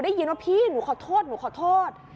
ได้ยินว่าพี่หนูขอโทษ